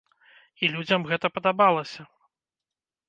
І людзям гэта падабалася.